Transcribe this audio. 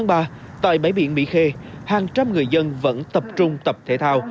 ngày hai mươi chín tháng ba tại bãi biển mỹ khê hàng trăm người dân vẫn tập trung tập thể thao